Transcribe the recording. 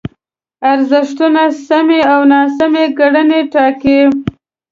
ارزښتونه سمې او ناسمې کړنې ټاکي.